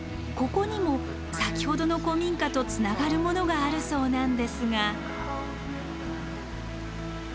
ここにも先ほどの古民家とつながるものがあるそうなんですが。